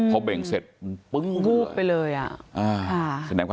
ปึ้งเลยอ่ะอ่าสุดยอด